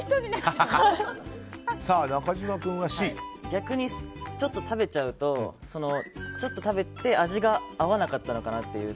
逆にちょっと食べちゃうとちょっと食べて味が合わなかったのかなという。